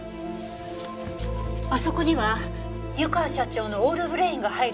あそこには湯川社長のオールブレインが入る予定ですよね。